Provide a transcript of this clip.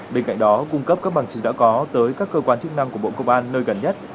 bên cạnh đó cung cấp các bằng chứng đã có tới các cơ quan chức năng của bộ công an nơi gần nhất